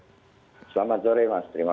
selamat sore mas terima